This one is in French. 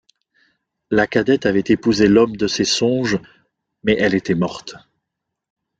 La cadette avait épousé l’homme de ses songes, mais elle était morte.